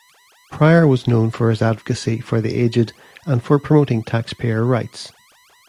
Pryor was known for his advocacy for the aged and for promoting taxpayer rights.